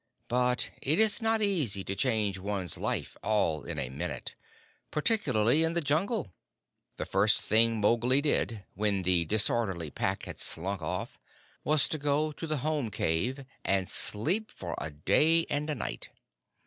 But it is not easy to change one's life all in a minute particularly in the Jungle. The first thing Mowgli did, when the disorderly Pack had slunk off, was to go to the home cave, and sleep for a day and a night.